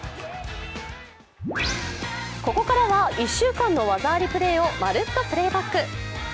ここからは１週間の技ありプレーを「まるっと！Ｐｌａｙｂａｃｋ」。